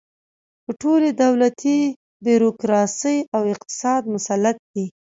پر ټولې دولتي بیروکراسۍ او اقتصاد مسلط دی.